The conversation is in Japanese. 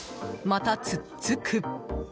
また突っつく！